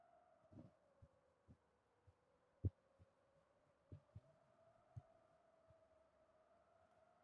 जिस शख्स ने दुनिया को रिवॉल्वर दिया...